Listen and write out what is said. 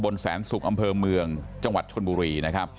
ตะบนแสนสุกอำเภอเมืองจังหวัดชนโบรี